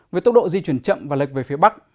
với tốc độ di chuyển chậm và lệch về phía bắc